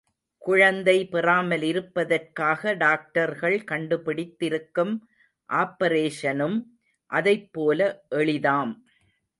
குழந்தை பெறாமலிருப்பதற்காக டாக்டர்கள் கண்டுபிடித்திருக்கும் ஆப்பரேஷனும் அதைப்போல எளிதாம்.